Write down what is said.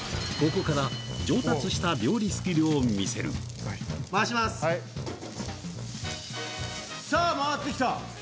ここから上達した料理スキルを見せるさぁ回ってきた！